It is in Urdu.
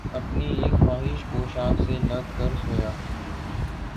اپنی اِک خواہشِ پوشاک سے لگ کر سویا